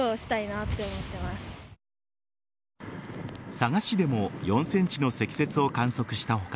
佐賀市でも４ｃｍの積雪を観測した他